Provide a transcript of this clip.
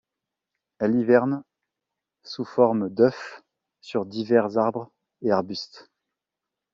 Elle hiverne sous forme d'œufs sur divers arbres et arbustes.